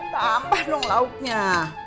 tambah dong lauknya